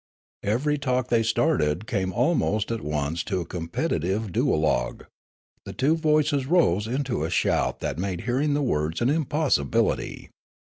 Every talk they started became almost at once a competitive duologue ; the two voices rose into a shout that made hearing the words an impossibility.